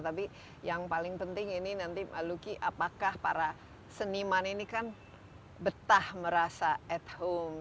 tapi yang paling penting ini nanti lucky apakah para seniman ini kan betah merasa at home